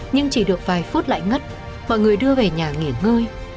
nhưng chỉ được vài phút lại ngất mọi người đưa về nhà nghỉ ngơi